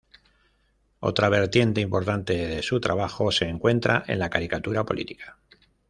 Otra vertiente importante de su trabajo se encuentra en la caricatura política.